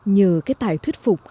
nhờ cái tài thuyết phục